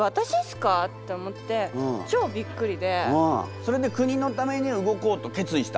それで国のために動こうと決意した？